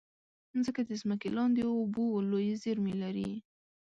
مځکه د ځمکې لاندې اوبو لویې زېرمې لري.